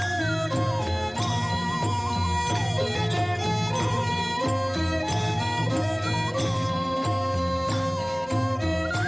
จริง